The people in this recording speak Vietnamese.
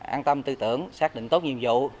an tâm tư tưởng xác định tốt nhiệm vụ